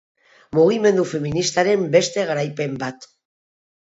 Mugimendu feministaren beste garaipen bat.